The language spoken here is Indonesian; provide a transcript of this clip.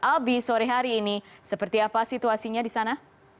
albi sore hari ini seperti apa situasinya di sana